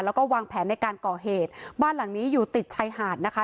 แล้วก็วางแผนในการก่อเหตุบ้านหลังนี้อยู่ติดชายหาดนะคะ